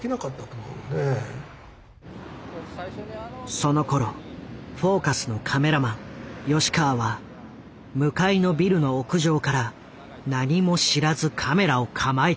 そのころ「フォーカス」のカメラマン吉川は向かいのビルの屋上から何も知らずカメラを構えていた。